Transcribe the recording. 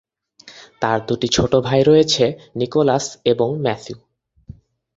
তার দুটি ছোট ভাই রয়েছে, নিকোলাস এবং ম্যাথু।